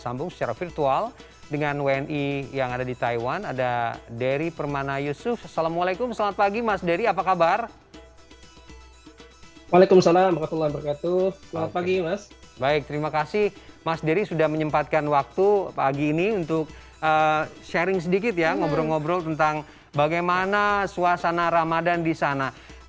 mas dery sudah menyempatkan waktu pagi ini untuk sharing sedikit ya ngobrol ngobrol tentang bagaimana suasana ramadan di sana